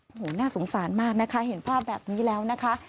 โอ้โหน่าสงสารมากนะคะเห็นภาพแบบนี้แล้วนะคะ